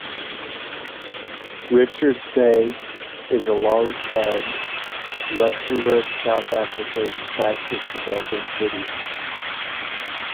Richards Bay is, alongside Rustenberg, South Africa's fastest-developing city.